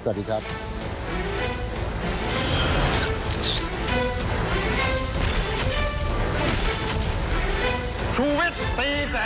สวัสดีครับ